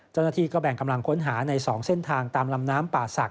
เจ้าหน้าที่ก็แบ่งกำลังค้นหาใน๒เส้นทางตามลำน้ำป่าศักด